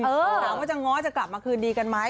หวังว่าง้อจะกลับมาคืนดีกันไหม